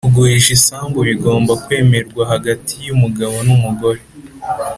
kugurisha isambu bigomba kwemerwa hagati y’umugabo n’umugore